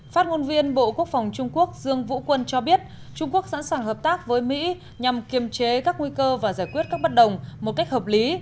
phát ngôn viên bộ quốc phòng trung quốc dương vũ quân cho biết trung quốc sẵn sàng hợp tác với mỹ nhằm kiềm chế các nguy cơ và giải quyết các bất đồng một cách hợp lý